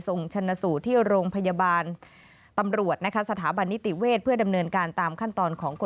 ส่งชนสู่ที่โรงพยาบาลตำรวจสถาบันนิติเวทฯ